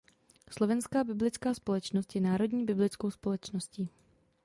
Slovenská biblická společnost je národní biblickou společností.